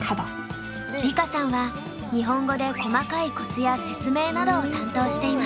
梨花さんは日本語で細かいコツや説明などを担当しています。